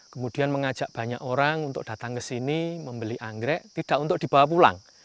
kemudian mengajak banyak orang untuk datang ke sini membeli anggrek tidak untuk dibawa pulang